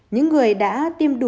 những người đã tiêm chủng